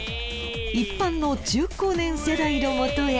一般の中高年世代の元へ。